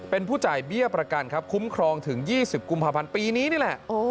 เป็นผู้จ่ายเบี้ยประกันครับคุ้มครองถึง๒๐กุมภาพันธ์ปีนี้นี่แหละ